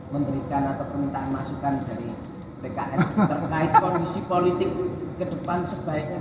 memberikan atau permintaan masukan dari pks